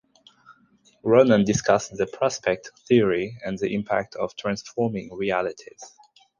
Ronen discussed the Prospect theory and the impact of transforming realities.